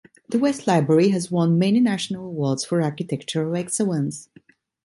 The West Library has won many national awards for architectural excellence.